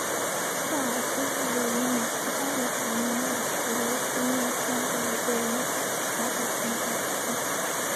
鲍尔斯是位于美国加利福尼亚州弗雷斯诺县的一个人口普查指定地区。